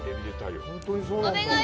お願い！